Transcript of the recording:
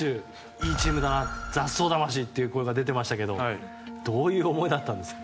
いいチームだな、雑草魂という声が出てましたけどどういう思いだったんですか？